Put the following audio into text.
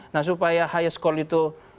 nah supaya highest call itu